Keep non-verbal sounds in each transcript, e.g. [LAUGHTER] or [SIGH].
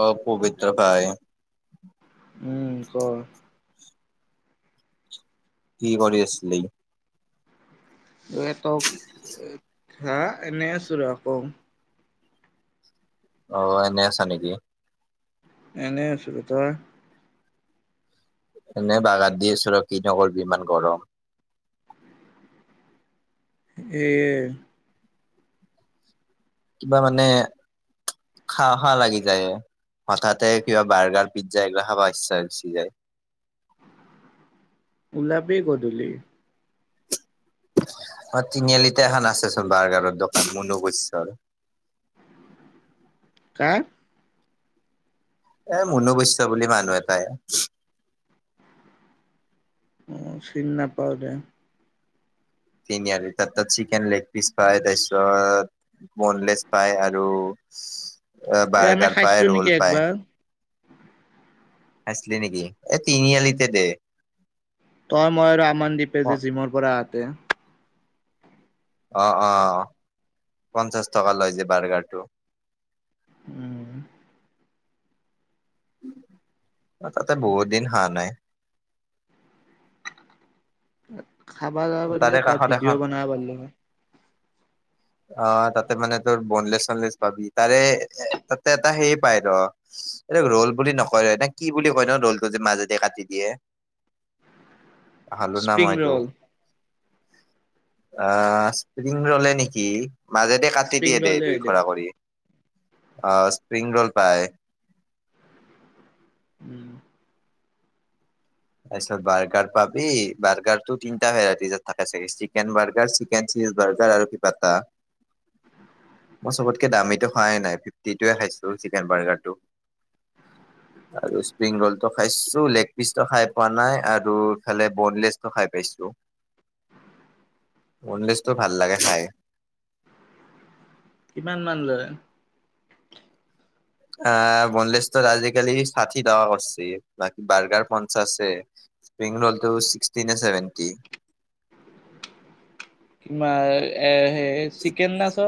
অ পবিত্ৰ ভাই উম ক কি কৰি আছিলি ঁতকা এনে আছো ৰকৌ অনেেছ নেকি এনেই আছো তই এনেই বাগান দি আছো ৰ কি নকৰবি ইমান গৰম এই কিবা মানে খা খা লাগি যায় হঠাতে কিবা বাৰ্গাৰ পিজ্জা এইগিলা খাব ইচ্ছা গুচি যায় ওলাবি গধূলি অ তিনিআলিতে এখন আছেচোন বাৰ্গাৰৰ দোকান মনু বৰ কা এ মনবৈশ্য বুলি মানুহ এটাই অ চিনি নাপাও দে। তিনিআলিৰ তাত-তাত চিকেন লেগপিচ পায় তাৰছত। বনলেছ পায় আৰু এ আমি বাৰ্গাৰ পায় খাইছিলো নেকি ৰোল পায়। একবাৰ আছিলে নেকি এ তিনি আলিতে দে তই মই আৰু অ আমানদ্বীপেযে জিমৰ পৰা আহোতে। অ-অ পঞ্চাছ টকা লৈ যে বাৰ্গাৰটো। উম তাতে বহুত দিন হাঁহ নাই। খাবানা বুলিলে তাৰে এটা কাষত এখন ভিডিঅ' বনাব পাৰিলোঁ হয়। অ তাতে মানে তোৰ বনলেছ চনলেছ পাবি। তাৰে এ-এ তাতে এটা হেইৰি পায় ৰ। এইটো ৰোল বুলি নকয় না কি বুলি কয় না ৰোলটো যে মাজেদি কাটি দিয়ে। [INAUDIBLE] খালোঁ না স্প্ৰিং মই এইটো। ৰল আহ স্প্ৰিংৰলে নি। কি মাজেদি কাটি স্প্ৰিং দিয়ে দেই ৰলে দুই হৈ দে খৰা কৰি অ স্প্ৰিংৰল পায়। [INAUDIBLE] তাৰপিছত বাৰ্গাৰ পাবি। বাৰ্গাৰ টো তিনিটা ভাৰাইটিজত থাকে ছিৰিজ চিকেন বাৰ্গাৰ কেন, চিজ বাৰ্গাৰ আৰু কি বাতা চবতকে দামীটোো খোৱাই নাই ফিফটি টোৱে খাইছিলু চিকেন বাৰগাৰৰ্টো আৰু স্প্ৰিং ৰল টো খাইছো লেগ পিচটো খাই খোৱা নাই আৰু ইফালে বনলেছটো খাই পাইছো। বনলেছটো ভাল লাগে খাই। কিমান মান লে আহ বনলেছটো আজিকালি ষাঠি টকা কৰিছে বা - বাৰ্গাৰ পঞ্চাশে। স্প্ৰিং ৰোল টো ছিক্সটি নে ছেভেণ্টি। বা এ - এ চিকেন না চ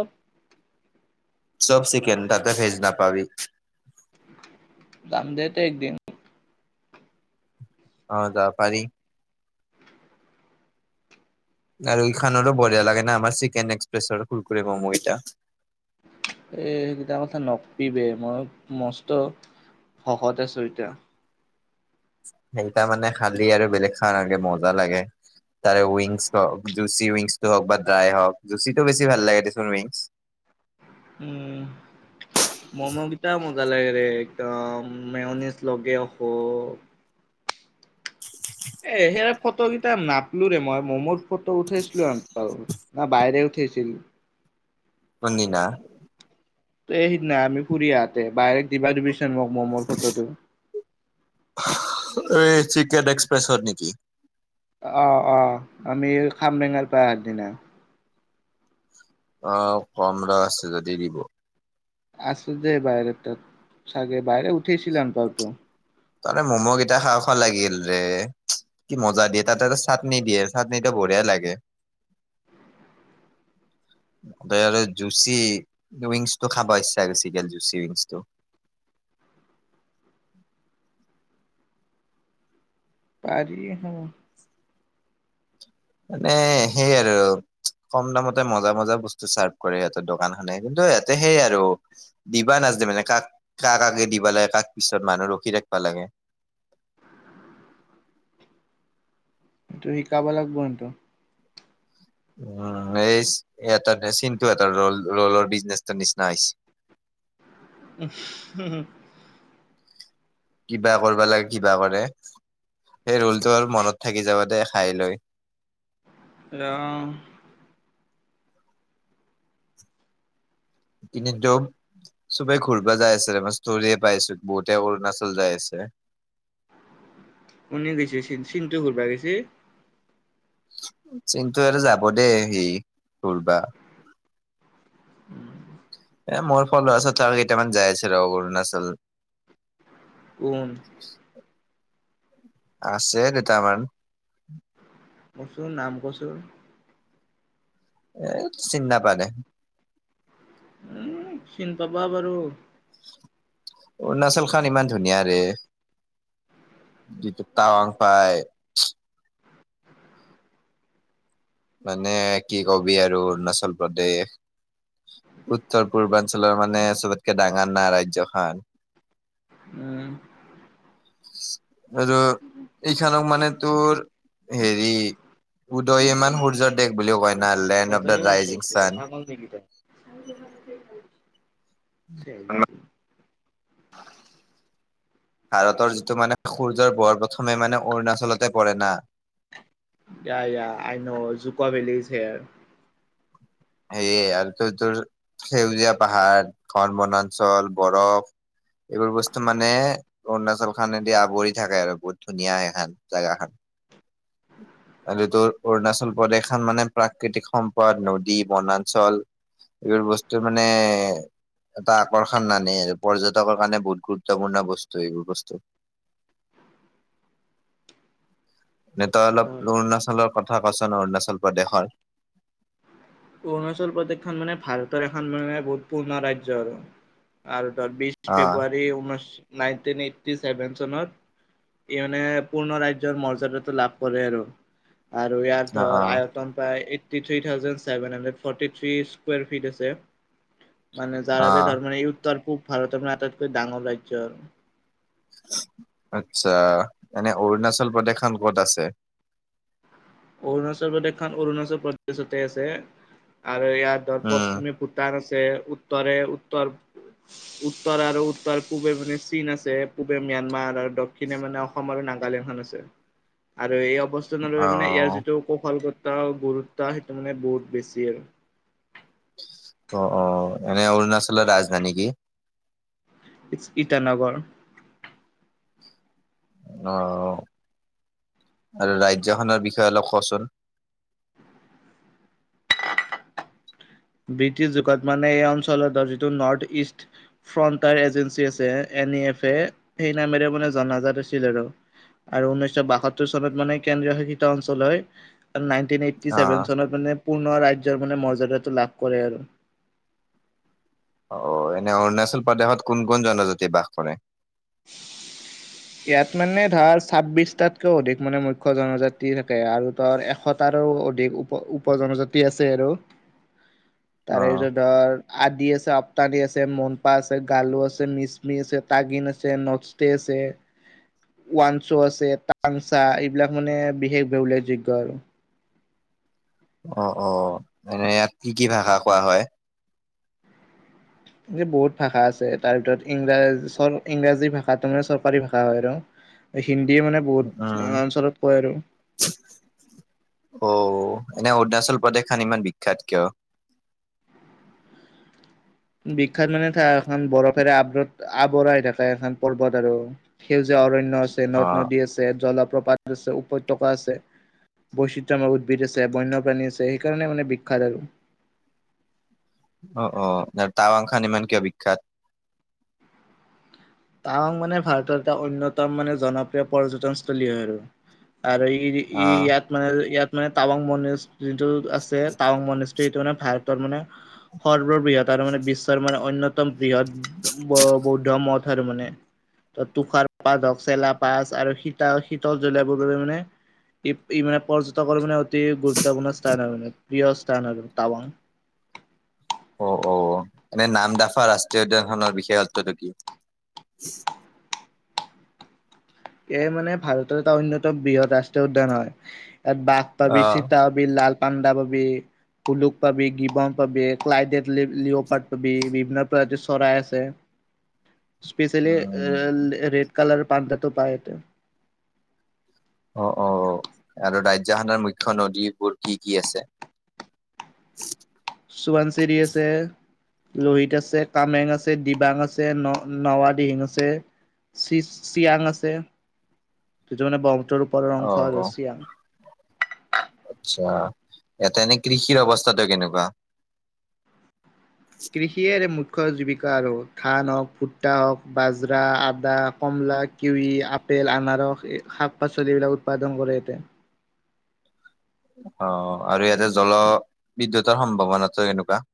চব চিকেন তাতে ভেজ নাপাবি দাম দিয়েতো একদিন হব দা পাৰী আৰু ইখানৰো বঢিয়া লাগেনা আামাৰ চিকেন এক্সপ্ৰেছৰ কুৰকুৰে মমো কেইটা। এ সেইকেইটা কথা নকবি বে মই মস্ত ভকত আছো এতিয়া। সেই তা মানে খালী আৰু বেলেগ খাবা নালগে মজা লাগে। তাৰে উইংছ হওক জুচি উইংছটো হওক বা ড্ৰাই হওক জুচি টো বেছি ভাল লাগে দেচোন উইংছ। উম মমকেইটা মজা লাগে ৰে একদম মেয়নিজ লগে অক এ সেৰা ফটো কেইটা নাপলো ৰে মই মোমোৰ ফটো উঠাইছিলো‌ সেন পাও না বাইৰে উঠেছিল কোনদিনা এই সিদিনা আমি ফুৰি আহাতে বাইৰেক দিবা দিবিচোন মোক মোমোৰ ফটোটো এই চিকেন এক্সপ্ৰেছত নিকি অ অ আমি খামৰেঙাৰ পৰা‌ অহা আগদিনা অ কম ৰ আছে যদি দিব আছে দে বাইৰেৰ তাত চাগে বাইৰে উঠিছিলা যেন পাও ত তাৰে ম'ম' কেইটা খাওঁ খাওঁ লাগিল ৰে। কি মজা দিয়ে তাতে এটা চাটনি দিয়ে চাটনিটো বঢ়িয়া লাগে। [UNINTELLIGIBLE] ত আৰু জুচি উইংছটো খাব ইচ্ছা গৈছে বেছিকে জুচি উইংছটো পাৰি হ, মানে সেই আৰু, কম দামতে মজা মজা বস্তু চাৰ্ভ কৰে আৰু সিহঁতৰ দোকানখনে কিন্তু ইয়াতে হেই আৰু, দিবা নাজেনে মানে কাক কাক কাকে দিবা লাগে কাক পিছত মানুহ ৰখি থাকবা লাগে! সেটো শিকাব লাগিব ইহতক! উম এই এটা চিন্তু এটা ৰল ৰলৰ বিজনেচ নিচিনা হৈছে! হু হু কিবা কৰিবা লাগে কিবা কৰে সেই ৰোলতটো আৰু মনত থাকি যাব দে খাই লৈ। অ ইনে তো ছবে ঘূৰবা যাই আছে ৰে মই ষ্টৰিয়ে পাইছো। বহুতে অৰুণাচল যাই আছে। উনে গৈছে চিন্তু ঘূৰবা গৈছে চিন্ত এ আৰ যাব দেই সি ঘূৰবা [UNINTELLIGIBLE] এ মোৰ ফল আছে ত আৰু কেইটামান যাই আছিল ৰ অৰুণাচল কোন আছে দুটামান কচোন নাম কচোন এ চিন নাপা দে উ চিন পাবা পাৰু অৰুণাচল খন ইমান ধুনীয়া ৰে যিটো টাৱাং পায় মানে কি কবি আৰু অৰুণাচল প্ৰদেশ উত্তৰ পূৰ্বাঞ্চলৰ মানে চবতকে ডাঙাৰ না ৰাজ্যখন উম আৰু এইখনক মানে তোৰ হেৰি উ সূৰ্য দেশ বুলিও কয় না লেণ্ড অফ দা ৰাইজিং চান [UNINTELLIGIBLE] [UNINTELLIGIBLE] ভাৰতৰ যিটো মানে সূৰ্যৰ পোহৰ প্ৰথমে মানে অৰুণাচলতে পৰে না ইয়া ইয়া I know, Dzukou valley is here. সেয়ে আৰু তোৰ - তোৰ সেউজীয়া পাহাৰখন, বনাঞ্চল, বৰফ এইবোৰ বস্তু মানে অৰুণাচলখানে দি আৱৰি থাকে আৰু বহুত ধুনীয়া এখান জাগাখান। আৰু তোৰ অৰুণাচল প্ৰদেশখন মানে প্ৰাকৃতিক সম্পদ ন ই বনাঞ্চল এইবোৰ বস্তু মানে এটা আকৰ্ষণ নানে আৰু পৰ্যটকৰ কাৰণে বহুত গুৰুত্বপূৰ্ণ বস্তু এইবোৰ বস্তু। নে তই অলপ হয় অৰুণাচলৰ কথা কচোন অৰুণাচল প্ৰদেশৰ? অৰুণাচল প্ৰদেশখন মানে ভাৰতৰ এখন মানে বহুত পূৰ্ণ ৰাজ্য আৰু তাৰ বিশ অ', ফেব্ৰুৱাৰী ঊনৈছ নাইনটিন এইটি ছেভেন চনত ই মানে পূৰ্ণ ৰাজ্যৰ মৰ্যাদাটো লাভ কৰে আৰু। আৰু ইয়াত অ', ধৰ অ', আয়তন পায় এইটী থ্ৰি থাওজেণ্ডছ তাৰ বানে মানে ফৰ্টি থ্ৰি স্কুৱাৰ ফিট আছে, মানে যাৰ বাবে অ', ধৰ মানে এই উত্তৰ পুৱ ভাৰতৰ মানে আটাইতকৈ ডাঙৰ ৰাজ্য আৰু। আচ্ছা, এনে অৰুণাচল প্ৰদেশখন ক'ত আছে? অৰুণাচল প্ৰদেশখন অৰুণাচল প্ৰদেশতে আছে আৰু ইয়াত ধৰ উম, পশ্চিমে পুত দান আছে, উত্তৰে উত্তৰ উত্তৰ আৰু উত্তৰ পূ্বে মানে চীন আছে, পূবে ম্যানমাৰ আৰু দ ক্ষীনে মানে অসম আৰু নাগালেণ্ডখন আছে আৰু এই অৱস চনলৈ মানে ইয়াৰ অ', যিটো কৌশালগত গুৰুত্বা সেইটো মানে বহুত বেছি আৰু। অ অ, এনে অৰুণাচলৰ ৰাজধানী কি? ইটছ ইটানগৰ। অ আৰু ৰাজ্যখনৰ বিষয়ে অলপ কচোন? ব্ৰিটিছ যুগত মানে এই অঞ্চলত ধৰ যিটো নৰ্থ ইষ্ট ফ্ৰণ্টায়াৰ এজেঞ্চি আছে, এন ই এফ এ সেই নামেৰে মানে জনাজাত আছিল আৰু। আৰু ঊনৈশ বাসত্তৰ চনত মানে কেন্দ্ৰীয় শাসিত অঞ্চল হয় আৰু নাইন টেন‌ এইটি‌ অ', চেভেন চনত মানে পূৰ্ণ ৰাজ্যৰ মানে মৰ্যদাটো লাভ কৰে আৰু। অ এনে অৰুণাচল প্ৰদেশত কোন কোন জনজাতি বাস কৰে? [INAUDIBLE] ইয়াত মানে ধাৰ ছাব্বিশটাতকৈও অধিক মানে মুখ্য জনজাতি থাকে আৰু তাৰ এশত তাৰো অধিক উপ - উপ জনজাতি আছে আৰু। [INAUDIBLE] তাৰেপিছত ধৰ আদি আছে, আপ্তানি আছে, মনপা আছে, গালু আছে, মিচমি আছে, তাগিন আছে, নক্স তে আছে। ওৱানছো আছে, টাংচা এইবিলাক মানে বিশেষভাৱে উল্লেখযোগ্য আৰু। অ অ, এনে ইয়াত কি কি ভাষা কোৱা হয়? ইয়াতে বহুত ভাষা আছে তাৰ ভিতৰত ইংৰাজ চ ইংৰাজী ভাষাটো মানে চৰকাৰী ভাষা হয় আৰু। এ হিন্দীয়ে মানে বহুত উম, অঞ্চলত কয় আৰু। অ, এনে অৰুণাচল প্ৰদেশখান ইমান বিখ্যাত কিয়? বিখ্যাত মানে তাত এখন বৰফেৰে আবৰত আৱৰা হৈ থাকে এখন পৰ্বত আৰু। সেউজীয়া অৰণ্য আছে, নদ - অ', নদী আছে, জলপ্ৰপাত আছে, উপত্যকা আছে বৈচিত্ৰময় উদ্ভিদ আছে, বন্যপ্ৰাণী আছে সেইকাৰণে মানে বিখ্যাত আৰু। অ অ, তাৰ তাৱাংখান ইমান কিয় বিখ্যাত? টাৱাং মানে ভাৰতৰ এটা অন্যতম মানে জনপ্ৰিয় পৰ্যটনস্থলী হয় আৰু, আৰু ই ই অ', ইয়াত মানে ইয়াত মানে টাৱাং মণিছ যিটো আছে টাৱাং মণিছ- এইটো মানে ভাৰতৰ মানে সৰ্ববৃহৎ আৰু মানে বিশ্বৰ মানে অন্য- তম বৃহৎ ব বৌদ্ধ মথ আৰু মানে। ত তুষাৰ পাত, হকচেলা পাচ, আৰু শীতা শীতল জলবায়ুৰ বাবে মানে- ই ই মানে পৰ্যটকৰ মানে অতি গুৰুত্বপূৰ্ণ স্থান আৰু মানে প্ৰিয় স্থান হয় বহুত টাৱাং। অ অ এনে নাম দাফা ৰাষ্ট্ৰীয় উদ্যানখনৰ বিশেষত্বটো কি? এইয়া মানে ভাৰতৰ এটা অন্যতম বৃহৎ ৰাষ্ট্ৰীয় উদ্যান হয় ইয়াত বাঘ অ পাবি চিতা- পাবি লাল পাণ্ডা পাবি। কুলুক পাবি, গিবন পাবি, ক্লাইডে লিঅ'পাত পাবি বিভিন্ন প্ৰজতিৰ চৰাই আছে। [INAUDIBLE] স্পেচিয়েলি উম ৰেড কালাৰ পাণ্ডাটো পায় এইয়াতে। অ অ, আৰু ৰাজ্যখনৰ মুখ্য নদীবোৰ কি কি আছে? [UNINTELLIGIBLE] সোৱনশিৰি আছে, লোহিত আছে, কামেং আছে, দিবাং আছে, ন ন দিহিং আছে, চি চিয়াং আছে যিটো মানে ব্ৰক্ষ্মপুত্ৰৰ ওপৰৰ অ অংশ আৰু অ চিয়াং। আচ্ছা, এইয়াতে এনে কৃষিৰ অৱস্থাটো কেনেকুৱা? কৃষিৰে মুখ্য জীৱিকা আৰু ধান হওক, ফুট্টা হওক, বাজ্ৰা, আদা, কমলা - কিউৰি, আপেল, আনাৰস, শাক পাচলিবিলাক উৎপাদন কৰে সিহঁতে। অ আৰু ইয়াতে জলবিদ্যুতৰ সম্ভাৱনাতো কেনেকুৱা?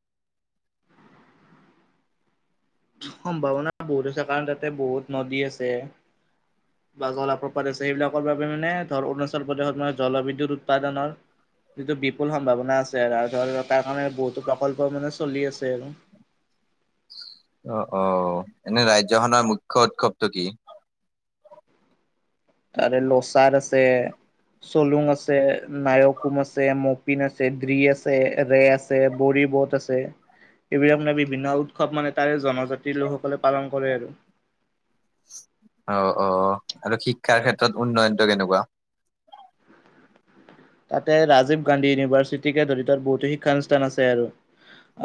সম্ভাৱনা বহুত আছে কাৰণ তাতে বহুত নদী আছে। [INAUDIBLE] বা জলাপ্ৰপাত আছে সেইবিলাকৰ বাবে মানে ধৰ অৰুণাচল প্ৰদেশত মানে জলবিদ্যয়ুৎ উৎপাদনৰ - যিটো বিপুল সম্ভাৱনা আছে আৰু, ধৰ তাৰ কাৰণে বহুতো প্ৰকল্প মানে চলি আছে আৰু। অ অ, এনে ৰাজ্যখনৰ মুখ্য উৎসৱটো কি? তাৰে লোচাৰ আছে। চলুং আছে, নায়কুম আছে, মপিন আছে, ড্ৰ্ৰী আছে, ৰে আছে, বৰিবত আছে - আছে, সেইবিলাক মানে বিভিন্ন উৎসৱ মানে তাৰে জনজাতিৰ লোকসকলে পালন কৰে আৰু। অ অ, আৰু শিক্ষাৰ ক্ষেত্ৰত উন্নয়নটো কেনেকুৱা? তাতে ৰাজীৱ গান্ধী ইউনিভাৰ্চিটিকে ধৰি বহুতো শিক্ষানুষ্ঠান আছে আৰু।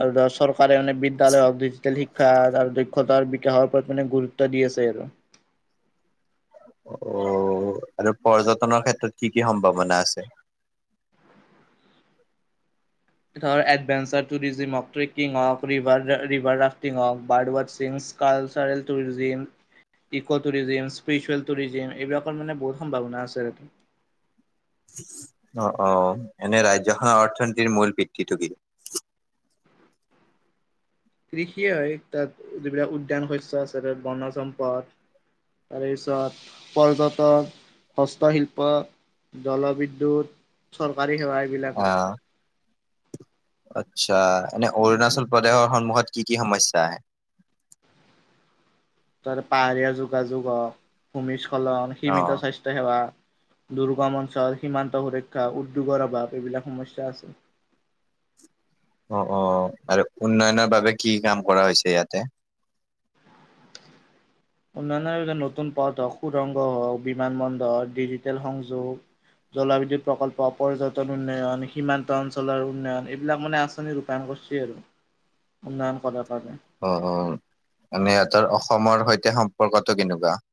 আৰু দৰচল - তাৰে মানে বিদ্যালয় হওক ডিজিটেল শিক্ষা আৰু দক্ষতাৰ বিকাশৰ ওপৰত মানে গুৰুত্ব দি আছে আৰু। অ, আৰু পৰ্যটনৰ ক্ষেত্ৰত কি কি সম্ভাৱনা আছে? ধৰ এডভেঞ্চাৰ টুৰিজিম হওক, ট্ৰেকিং হওক, ৰিভাৰ ৰা ৰিভাৰ ৰাফটিং হওক, বাৰ্ড ৱাচিং - cultural tourism - eco tourism, spiritual tourism, এইবিলাকৰ মানে বহুত সম্ভাৱনা আছে তাতে। অ অ, এনে ৰাজ্যখনৰ অৰ্থনীতিৰ মূল ভিত্তিটো কি? কৃষিয়ে হয়, তাত যিবিলাক উদ্যান শস্য আছে তাত বনজ সম্পদ - তাৰে পিছত পৰ্যটক, হস্তশিল্প- জলবিদ্যুৎ চৰকাৰী সেৱা এইবিলাকে। আহ আচ্ছা, এনে অৰুণাচল প্ৰদেশৰ সন্মুখত কি কি সমস্যা আহে? তাৰে পাহাৰীয়া যোগাযোগ হ‌ওক, ভূমিস্খলন, সীমিত অ'। স্বাস্থ্য- সেৱা, দুৰ্গম অঞ্চল, সীমান্ত সুৰক্ষা, উদ্যোগৰ অভাৱ এইবিলাক সমস্যা আছে। অ অ আৰু উন্নয়নৰ বাবে কি কি কাম কৰা হৈছে ইয়াতে? উন্নয়নৰ বাবে নতুন পদ হওক, সুুৰংগ হওক, বিমানবন্দৰ, ডিজিটেল সংযোগ - জলবিদ্যুৎ প্ৰকল্প পৰ্যটন উন্নয়ন সীমান্ত অঞ্চলৰ উন্নয়ন এইবিলাক মানে আঁচনিৰূপ। প্ৰষ্ঠান গোষ্ঠী আৰু উন্নয়ন [UNINTELLIGIBLE] অ অ মানে সিহঁতৰ অসমৰ সৈতে সম্পৰ্কটো কেনেকুৱা।